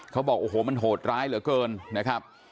เขาบอกโอ้โหมันโหดร้ายเหลือเกินนะครับ